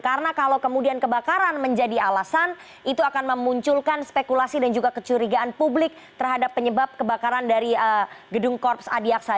karena kalau kemudian kebakaran menjadi alasan itu akan memunculkan spekulasi dan juga kecurigaan publik terhadap penyebab kebakaran dari gedung korps adi aksa